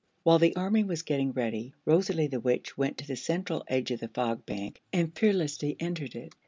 While the army was getting ready, Rosalie the Witch went to the central edge of the Fog Bank and fearlessly entered it.